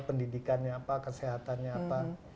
pendidikannya apa kesehatannya apa